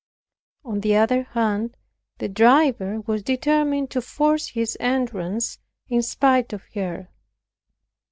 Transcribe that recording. On the other hand, the driver was determined to force his entrance in spite of her.